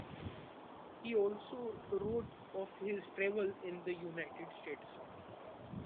He also wrote of his travels in the United States.